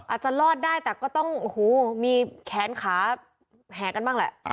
อาจจะรอดได้แต่ก็ต้องโอ้โหมีแขนขาแห่กันบ้างแหละ